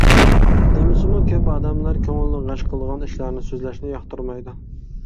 دېمىسىمۇ كۆپ ئادەملەر كۆڭۈلنى غەش قىلىدىغان ئىشلارنى سۆزلەشنى ياقتۇرمايدۇ.